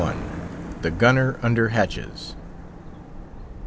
THE GUNNER UNDER HATCHES.